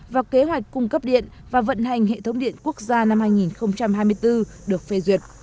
và kế hoạch cung cấp điện và vận hành hệ thống điện quốc gia năm hai nghìn hai mươi bốn được phê duyệt